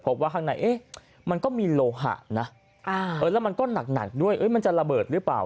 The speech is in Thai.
ว่าข้างในมันก็มีโลหะนะแล้วมันก็หนักด้วยมันจะระเบิดหรือเปล่า